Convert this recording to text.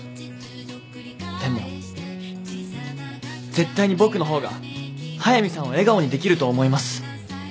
でも絶対に僕の方が速見さんを笑顔にできると思います。